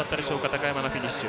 高山のフィニッシュ。